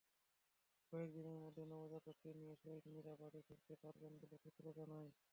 কয়েক দিনের মধ্যেই নবজাতককে নিয়ে শহীদ-মিরা বাড়ি ফিরতে পারবেন বলেও সূত্র জানায়।